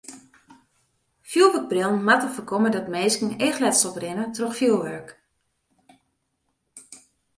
Fjoerwurkbrillen moatte foarkomme dat minsken eachletsel oprinne troch fjoerwurk.